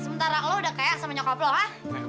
sementara lo udah kayak sama nyokap lo ha